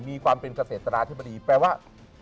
มีความเป็นเกษตราธิบดีแปลว่า